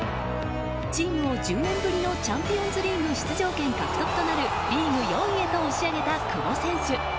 チームを１０年ぶりのチャンピオンズリーグ出場権獲得となるリーグ４位へと押し上げた久保選手。